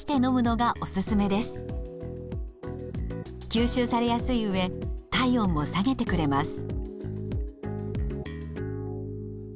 吸収されやすいうえ体温も下げてくれます。